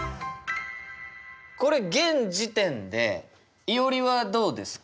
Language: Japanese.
これ現時点でいおりはどうですか？